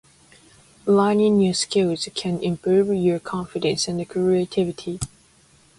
Learning new skills can improve your confidence and creativity.